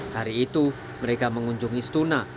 hari itu mereka mengunjungi stuna